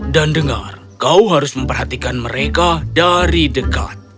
dan dengar kau harus memperhatikan mereka dari dekat